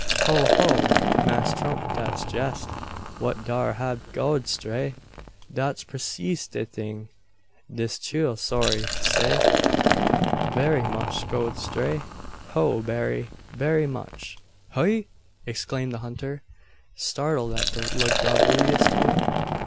"Ho! ho! Mass 'Tump, dat's jess what dar hab goed stray dat's preecise de ting, dis chile sorry t' say berry much goed stray. Ho! berry, berry much!" "Heigh!" exclaimed the hunter, startled at the lugubrious tone.